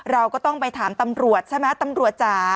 เราก็ต้องไปถามตำรวจใช่ไหมตำรวจจ๋า